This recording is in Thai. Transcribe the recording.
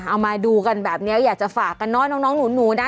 เอามาดูกันแบบนี้อยากจะฝากกันเนอะน้องหนูนะ